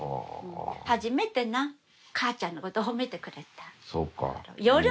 初めてな母ちゃんのこと褒めてくれた。